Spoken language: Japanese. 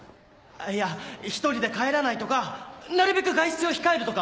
いや１人で帰らないとかなるべく外出を控えるとか。